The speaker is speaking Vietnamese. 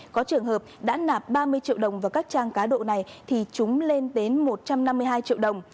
có trường hợp đã nạp ba mươi triệu đồng vào các trang cá độ này thì chúng lên đến một trăm năm mươi hai triệu đồng